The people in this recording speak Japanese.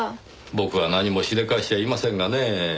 僕は何もしでかしちゃいませんがねぇ。